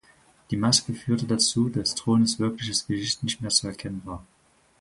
Die Maske führte dazu, dass Thrones wirkliches Gesicht nicht mehr zu erkennen war.